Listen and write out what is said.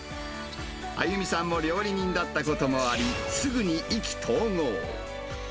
亜友美さんも料理人だったこともあり、すぐに意気投合。